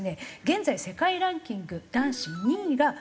現在世界ランキング男子２位がロシアの選手